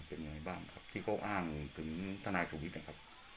เป็นยังไงบ้างครับที่เขาอ้างถึงทนายชูวิทย์นะครับ